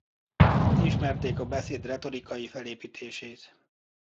Ismerték a beszéd retorikai felépítését.